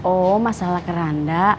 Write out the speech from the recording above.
oh masalah keranda